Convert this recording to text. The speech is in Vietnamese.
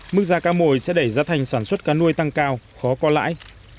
mức giá cá mồi sẽ đẩy giá thành sản xuất cá nuôi tăng cao khó có lãi